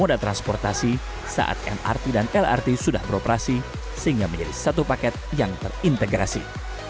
moda transportasi saat mrt dan lrt sudah beroperasi sehingga menjadi satu paket yang terintegrasi